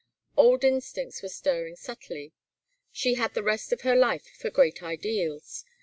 Old instincts were stirring subtly. She had the rest of her life for great ideals.